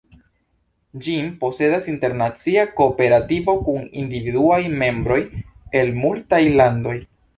Ĝin posedas internacia kooperativo kun individuaj membroj el multaj landoj.